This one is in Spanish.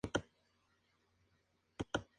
Es un arbusto perenne con tallo carnoso con espinos.